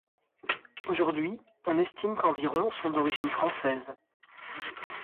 Aujourd'hui, on estime qu’environ sont d'origine française.